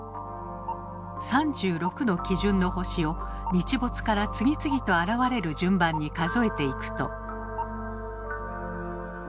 ３６の基準の星を日没から次々と現れる順番に数えていくと。